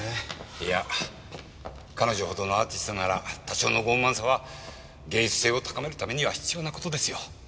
いや彼女ほどのアーティストなら多少の傲慢さは芸術性を高めるためには必要な事ですよ。